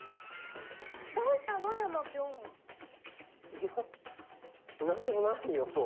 いや何でもないよ。